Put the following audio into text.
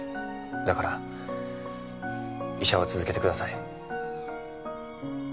だから医者は続けてください。